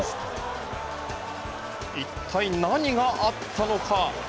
一体何があったのか。